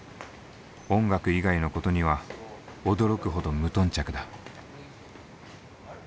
音楽以外のことには驚くほど無頓着だ。